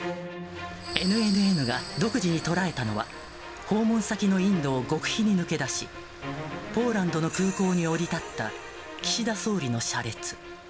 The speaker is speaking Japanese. ＮＮＮが独自にとらえたのは、訪問先のインドを極秘に抜け出し、ポーランドの空港に降り立った岸田総理の車列。